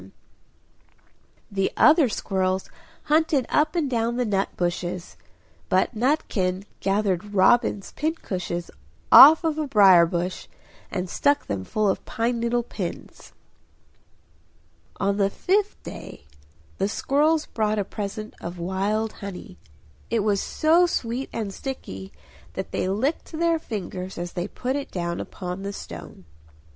The other squirrels hunted up and down the nut bushes; but Nutkin gathered robin's pincushions off a briar bush, and stuck them full of pine needle pins. On the fifth day the squirrels brought a present of wild honey; it was so sweet and sticky that they licked their fingers as they put it down upon the stone.